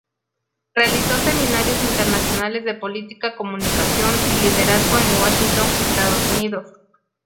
Realizó seminarios internacionales de política, comunicación y liderazgo en Washington, Estados Unidos.